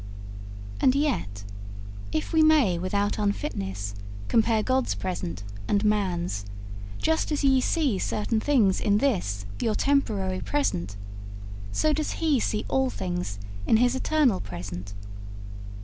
'And yet, if we may without unfitness compare God's present and man's, just as ye see certain things in this your temporary present, so does He see all things in His eternal present.